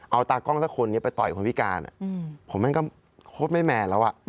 เอาตากล้องสักคนนี้ไปต่อยคนพิการผมมันก็โคตรไม่แมนแล้ว